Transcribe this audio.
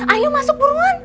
ayo masuk buruan